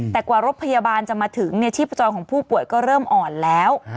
แต่กว่ารถพยาบาลจะมาถึงชีพจรของผู้ป่วยก็เริ่มอ่อนแล้ว